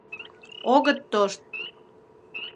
Огыт тошт!